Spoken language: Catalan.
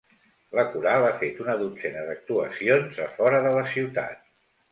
La coral ha fet una dotzena d’actuacions a fora de la ciutat.